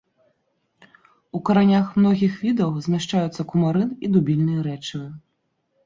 У каранях многіх відаў змяшчаюцца кумарын і дубільныя рэчывы.